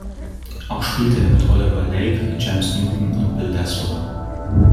Auch spielte er mit Oliver Lake, James Newton und Bill Laswell.